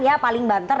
ya paling banter